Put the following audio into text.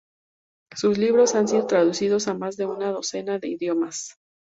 Sus libros han sido traducidos a más de una docena de idiomas.